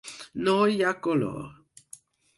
No hi ha color.